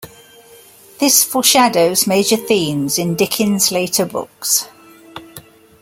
This foreshadows major themes in Dickens's later books.